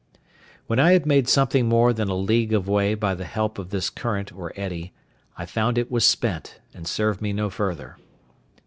When I had made something more than a league of way by the help of this current or eddy, I found it was spent, and served me no further.